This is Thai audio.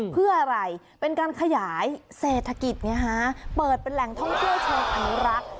เพื่ออะไรเป็นการขยายเศรษฐกิจไงฮะเปิดเป็นแหล่งท่องเที่ยวเชิงอนุรักษ์